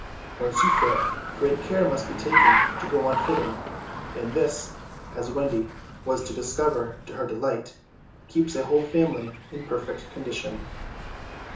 Once you fit, great care must be taken to go on fitting, and this, as Wendy was to discover to her delight, keeps a whole family in perfect condition.